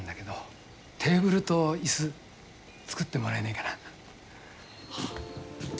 テーブルと椅子作ってもらえねえかな。